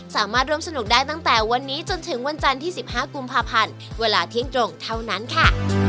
สามารถร่วมสนุกได้ตั้งแต่วันนี้จนถึงวันจันทร์ที่๑๕กุมภาพันธ์เวลาเที่ยงตรงเท่านั้นค่ะ